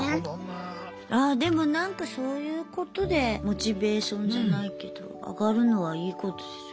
ああでもなんかそういうことでモチベーションじゃないけど上がるのはいいことですよね。